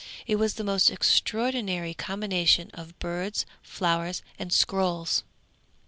It was the most extraordinary combination of birds, flowers and scrolls.